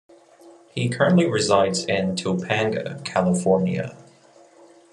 He currently resides in Topanga, California.